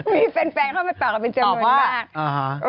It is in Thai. มีแฟนเข้ามาต่อกันเป็นจำนวนมาก